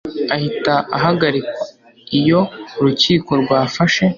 ahita ahagarikwa iyo urukiko rwafashe